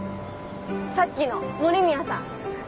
さっきの森宮さん。